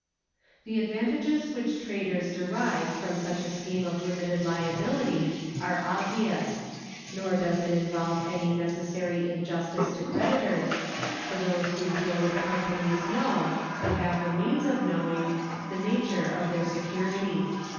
The advantages which traders derive from such a scheme of limited liability are obvious. Nor does it involve any necessary injustice to creditors, for those who deal with com panies know, or have the means of knowing, the nature of their security.